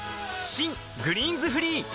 新「グリーンズフリー」